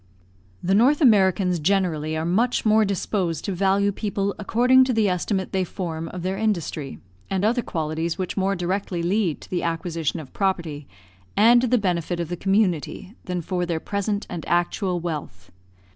The North Americans generally are much more disposed to value people according to the estimate they form of their industry, and other qualities which more directly lead to the acquisition of property, and to the benefit of the community, than for their present and actual wealth.